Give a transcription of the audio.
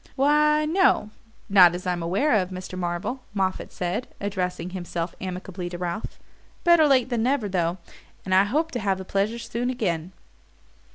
"Why, no not as I'm aware of, Mr. Marvell," Moffatt said, addressing himself amicably to Ralph. "Better late than never, though and I hope to have the pleasure soon again."